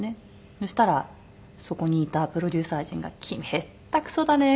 そしたらそこにいたプロデューサー陣が「君下手くそだね！